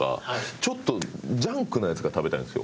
ちょっとジャンクなやつが食べたいんですよ。